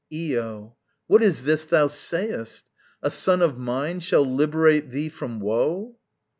Io. What is this thou sayest? A son of mine shall liberate thee from woe?